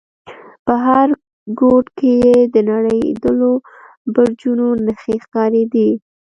په هر گوټ کښې يې د نړېدلو برجونو نخښې ښکارېدې.